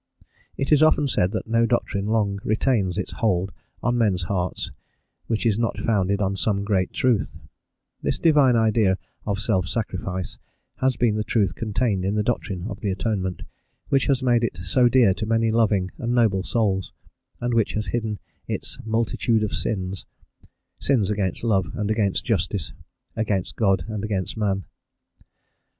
It is often said that no doctrine long retains its hold on men's hearts which is not founded on some great truth; this divine idea of self sacrifice has been the truth contained in the doctrine of the Atonement, which has made it so dear to many loving and noble souls, and which has hidden its "multitude of sins" sins against love and against justice, against God and against man.